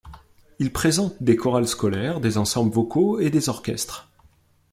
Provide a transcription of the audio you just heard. Il présente des chorales scolaires, des ensembles vocaux et des orchestres.